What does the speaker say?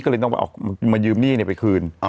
ก็เลยต้องไปออกมายืมหนี้ไปคืน